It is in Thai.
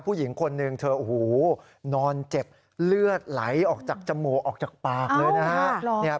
ผู้หญิงคนหนึ่งเธอโอ้โหนอนเจ็บเลือดไหลออกจากจมูกออกจากปากเลยนะครับ